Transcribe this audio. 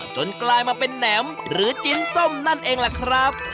กลายมาเป็นแหนมหรือจิ้นส้มนั่นเองล่ะครับ